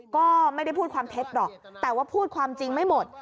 ก็ไม่ได้พูดความเท็จหรอกแต่ว่าพูดความจริงไม่หมด